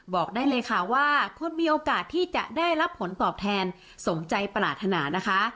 บอกได้เลยค่ะว่าคนมีโอกาสที่จะได้รับผลตอบแทนสมใจปรารถนานะคะ